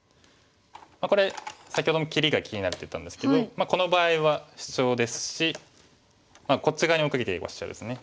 これ先ほども切りが気になるって言ったんですけどこの場合はシチョウですしこっち側に追っかけていくシチョウですね。